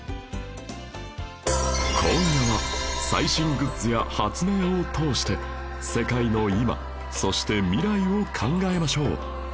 今夜は最新グッズや発明を通して世界の今そして未来を考えましょう